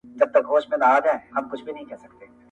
باد د غرونو غږ راوړي تل,